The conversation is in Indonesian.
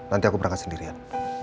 nanti aku berangkat sendirian